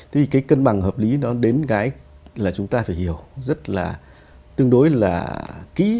thì cái cân bằng hợp lý nó đến cái là chúng ta phải hiểu rất là tương đối là kỹ